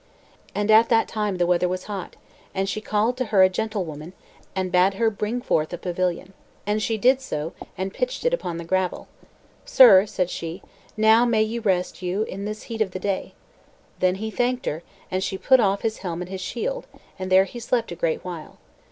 And at that time the weather was hot, and she called to her a gentlewoman, and bade her bring forth a pavilion. And she did so, and pitched it upon the gravel. "Sir," said she, "now may ye rest you in this heat of the day." Then he thanked her, and she put off his helm and his shield, and there he slept a great while.